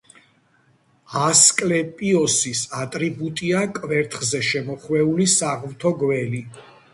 ასკლეპიოსის ატრიბუტია კვერთხზე შემოხვეული საღვთო გველი.